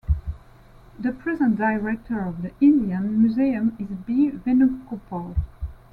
The present Director of the Indian Museum is B. Venugopal.